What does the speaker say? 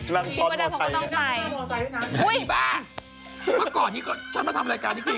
นั่งซ่อนมอเตอร์ไซค์